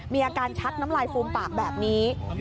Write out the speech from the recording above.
มีอาการชักน้ำลายฟูมปากแบบนี้